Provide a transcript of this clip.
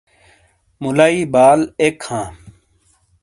مولایی بال اک ہاں۔